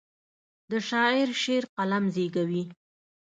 د شاعر شعر قلم زیږوي.